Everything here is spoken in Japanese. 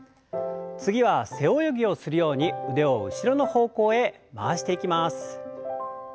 次は背泳ぎをするように腕を後ろの方向へ回していきます。